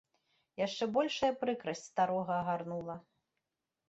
Яшчэ большая прыкрасць старога агарнула.